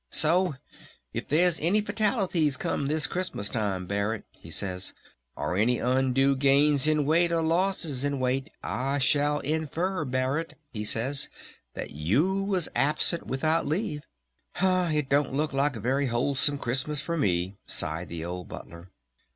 So if there's any fatalities come this Christmas Time, Barret', he says, 'or any undue gains in weight or losses in weight, I shall infer, Barret', he says, 'that you was absent without leave.' ... It don't look like a very wholesome Christmas for me," sighed the old Butler.